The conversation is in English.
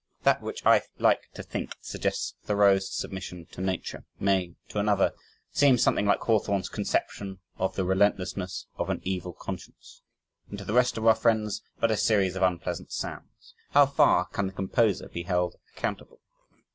That which I like to think suggests Thoreau's submission to nature may, to another, seem something like Hawthorne's "conception of the relentlessness of an evil conscience" and to the rest of our friends, but a series of unpleasant sounds. How far can the composer be held accountable?